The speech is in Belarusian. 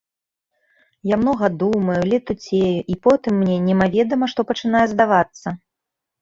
Я многа думаю, летуцею, і потым мне немаведама што пачынае здавацца.